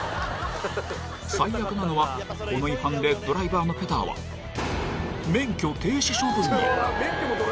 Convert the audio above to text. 最悪なのは、この違反でドライバーのペターは免許停止処分に。